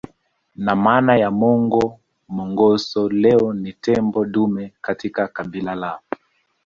Na maana ya Mongo Mongoso leo ni tembo dume katika kabila lao